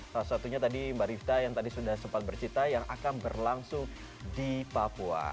salah satunya tadi mbak rifda yang tadi sudah sempat bercita yang akan berlangsung di papua